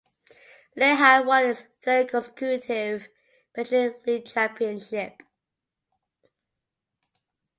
Lehigh won its third consecutive Patriot League championship.